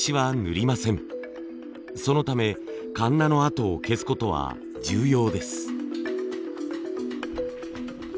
そのためカンナの跡を消すことは重要です。